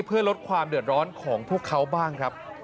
เพื่อลดความเดือดร้อนของพวกเขาบ้างครับ